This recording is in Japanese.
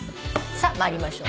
さあ参りましょう。